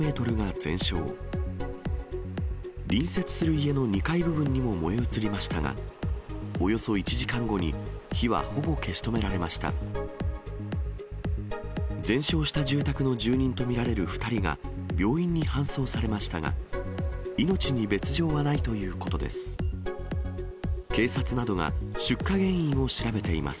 全焼した住宅の住人と見られる２人が病院に搬送されましたが、命に別状はないということです。